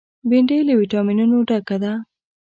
بېنډۍ له ویټامینونو ډکه ده